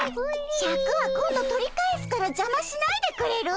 シャクは今度取り返すからじゃましないでくれる？